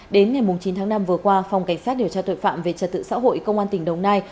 đến ngày chín tháng năm vừa qua phòng cảnh sát điều tra tội phạm về trật tự xã hội công an tỉnh đồng nai